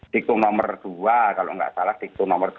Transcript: diktum nomor dua kalau nggak salah diktum nomor dua